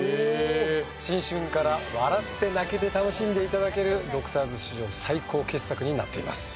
新春から笑って泣けて楽しんで頂ける『ＤＯＣＴＯＲＳ』史上最高傑作になっています。